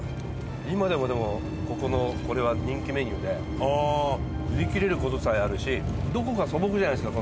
今でもでもここのこれは人気メニューで売り切れる事さえあるしどこか素朴じゃないですか